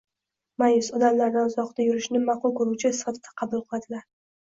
ma’yus, odamlardan uzoqroq yurishni ma’qul ko‘ruvchi sifatida qabul qiladilar.